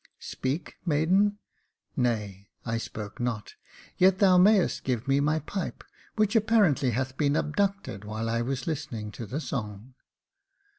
" Speak, maiden ? nay, I spoke not ; yet thou mayest give me my pipe, which apparently hath been abducted while I was listening to the song."